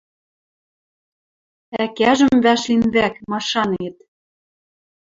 Ӓкӓжӹм вӓшлин вӓк, машанет.